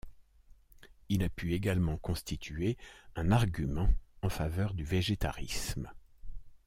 Il a pu également constituer un argument en faveur du végétarisme.